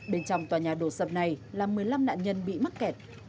bên trong tòa nhà đổ sập này là một mươi năm nạn nhân bị mắc kẹt